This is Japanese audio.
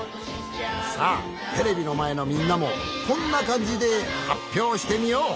さあテレビのまえのみんなもこんなかんじではっぴょうしてみよう。